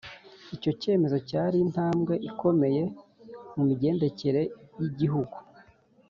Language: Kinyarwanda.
Icyo kemezo cyari intambwe ikomeye mu migendekere y igihugu